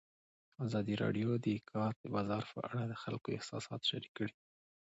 ازادي راډیو د د کار بازار په اړه د خلکو احساسات شریک کړي.